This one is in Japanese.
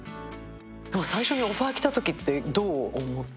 最初にオファーが来たときってどう思った？